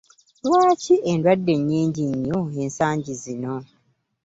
Lwaki endwadde nnnnyingi nnyo ensangi zino?